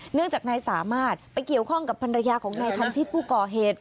เนื่องจากนายสามารถไปเกี่ยวข้องกับภรรยาของนายคันชิตผู้ก่อเหตุ